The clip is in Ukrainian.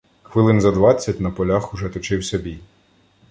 Хвилин за двадцять на полях уже точився бій.